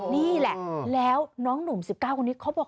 นี่แหละแล้วน้องหนุ่ม๑๙คนนี้เขาบอก